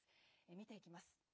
見ていきます。